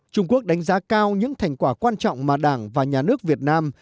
trung quốc đánh giá cao những thành quả quan trọng mà đảng và nhà nước việt nam